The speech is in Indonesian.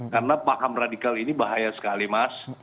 karena paham radikal ini bahaya sekali mas